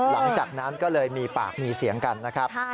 หลังจากนั้นก็เลยมีปากมีเสียงกันนะครับ